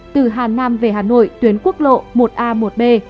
từ hà nam về hà nội tuyến quốc lộ một a một b